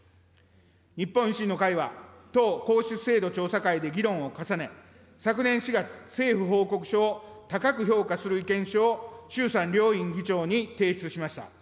日本維新の会は、党皇室制度調査会で議論を重ね、昨年４月、政府報告書を高く評価する意見書を衆参両院議長に提出しました。